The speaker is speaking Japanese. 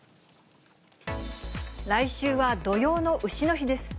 来週は土用のうしの日です。